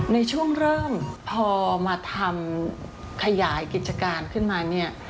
ในช่วงเริ่มพอมาทำขยายกิจการขึ้นมาเนี่ย